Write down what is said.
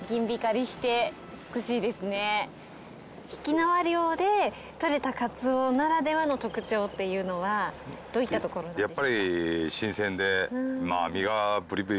曳縄漁でとれたかつおならではの特徴というのはどういったところなんですか？